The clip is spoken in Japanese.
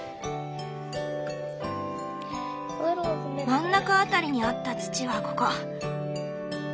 真ん中辺りにあった土はここ。